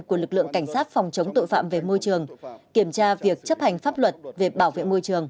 của lực lượng cảnh sát phòng chống tội phạm về môi trường kiểm tra việc chấp hành pháp luật về bảo vệ môi trường